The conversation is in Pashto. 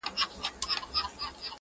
مېړه چي مېړه وي، لور ئې چاړه وي.